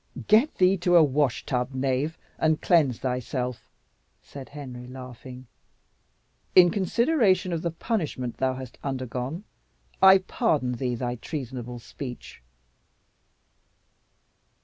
"Get thee to a wash tub, knave, and cleanse thyself," said Henry, laughing. "In consideration of the punishment thou hast undergone, I pardon thee thy treasonable speech."